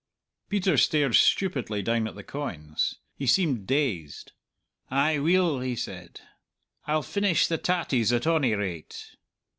Peter stared stupidly down at the coins. He seemed dazed. "Ay, weel," he said; "I'll feenish the tatties, at ony rate."